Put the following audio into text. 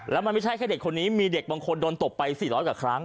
แล้วมันไม่ใช่แค่เด็กคนนี้มีเด็กบางคนโดนตบไป๔๐๐กว่าครั้ง